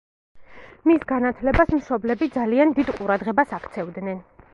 მის განათლებას მშობლები ძალიან დიდ ყურადღებას აქცევდნენ.